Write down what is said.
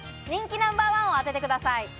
人気ナンバーワンを当ててください。